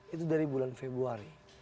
itu dari bulan februari